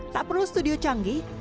tak perlu studio canggih